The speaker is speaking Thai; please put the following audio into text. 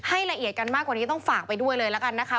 ละเอียดกันมากกว่านี้ต้องฝากไปด้วยเลยละกันนะคะ